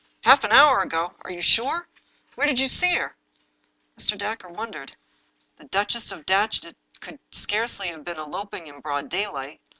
" Half an hour ago! Are you sure? Where did you see her?" Mr. Dacre wondered. The Duchess of Datchet could scarcely have been eloping in broad daylight.